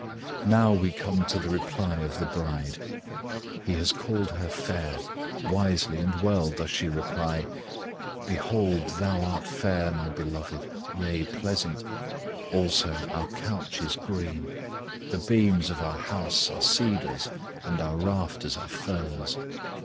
We now come to the reply of the bride. He has called her fair; wisely and well does she reply: Behold Thou art fair, my Beloved, yea, pleasant: Also our couch is green. The beams of our house are cedars, And our rafters are firs.